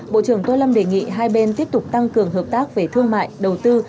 bộ trưởng tô lâm đề nghị hai bên tiếp tục tăng cường hợp tác về thương mại đầu tư